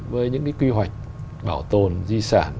với những cái quy hoạch bảo tồn di sản